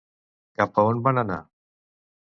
Cap a on van anar?